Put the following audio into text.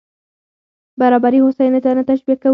برابري هوساينې سره نه تشبیه کوو.